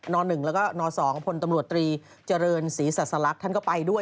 น๑แล้วก็น๒พลตำรวจตรีเจริญศรีสัสลักษณ์ท่านก็ไปด้วย